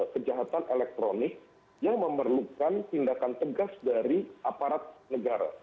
kejahatan elektronik yang memerlukan tindakan tegas dari aparat negara